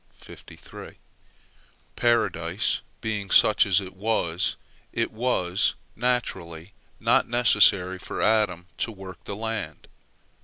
Paradise being such as it was, it was, naturally, not necessary for Adam to work the land.